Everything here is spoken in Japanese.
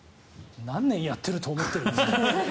何年やってると思ってるんですか。